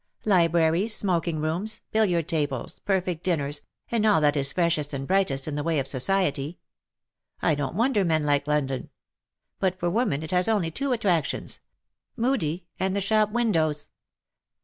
Libraries,, smoking rooms^ billiard tables^ perfect dinners^ and all that is freshest and brightest in the way of society. I donH wonder men like London. But for women it has only two attractions — MudiC; and the shop windows